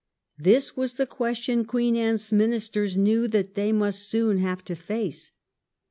This was the question Queen Anne's Ministers knew that they must soon have to face.